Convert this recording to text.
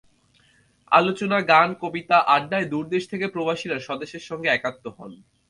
আলোচনা, গান, কবিতা, আড্ডায় দূর দেশ থেকে প্রবাসীরা স্বদেশের সঙ্গে একাত্ম হন।